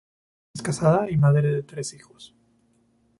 Es casada y madre de tres hijos.